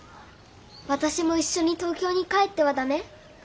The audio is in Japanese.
私も一緒に東京に帰っては駄目？